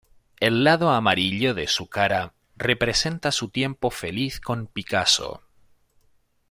El lado amarillo de su cara representa su tiempo feliz con Picasso.